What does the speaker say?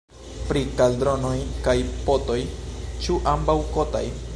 Pri kaldronoj kaj potoj: ĉu ambaŭ kotaj?